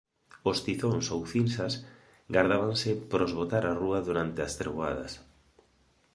Os tizóns ou cinsas gardábanse para os botar á rúa durante as treboadas.